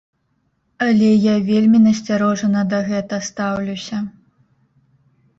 Але я вельмі насцярожана да гэта стаўлюся.